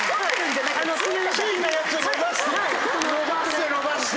伸ばして伸ばして。